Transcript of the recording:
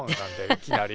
いきなり。